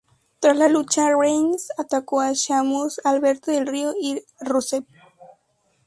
Tras la lucha, Reigns atacó a Sheamus, Alberto Del Rio y Rusev.